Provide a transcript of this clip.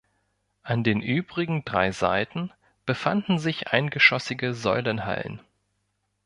An den übrigen drei Seiten befanden sich eingeschossige Säulenhallen.